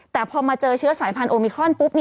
แต่พอมาเจอเชื้อสายพันธุมิครอนปุ๊บ